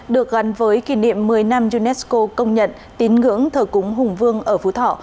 được gắn với kỷ niệm một mươi năm unesco công nhận tín ngưỡng thờ cúng hùng vương ở phú thọ